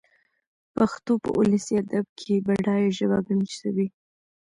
پښتو په اولسي ادب کښي بډايه ژبه ګڼل سوې.